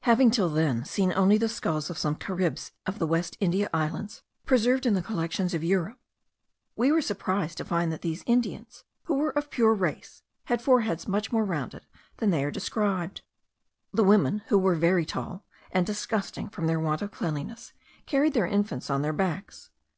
Having till then seen only the skulls of some Caribs of the West India Islands preserved in the collections of Europe, we were surprised to find that these Indians, who were of pure race, had foreheads much more rounded than they are described. The women, who were very tall, and disgusting from their want of cleanliness, carried their infants on their backs.